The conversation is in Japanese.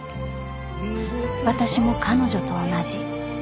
［私も彼女と同じ。